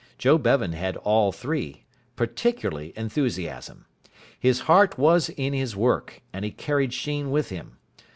Joe Bevan had all three, particularly enthusiasm. His heart was in his work, and he carried Sheen with him.